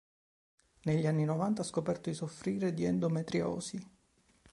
Negli anni novanta ha scoperto di soffrire di endometriosi.